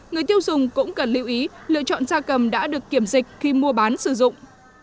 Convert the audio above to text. người tiêu dùng cũng cần lưu ý lựa chọn gia cầm đã được kiểm dịch khi mua bán sử dụng